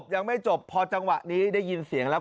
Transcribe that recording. ยังไม่จบพอจังหวะนี้ได้ยินเสียงแล้ว